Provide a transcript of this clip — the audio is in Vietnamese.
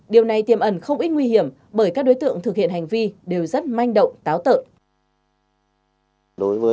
điều này tiêm ẩn không ít nguy hiểm bởi các đối tượng thực hiện hành vi đều rất manh động táo tợn